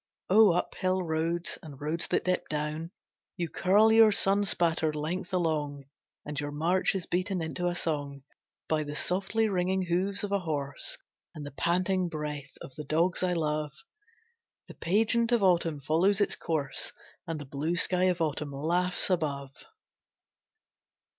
O Uphill roads and roads that dip down! You curl your sun spattered length along, And your march is beaten into a song By the softly ringing hoofs of a horse And the panting breath of the dogs I love. The pageant of Autumn follows its course And the blue sky of Autumn laughs above.